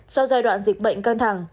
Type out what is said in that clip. sau giai đoạn dịch bệnh căng thẳng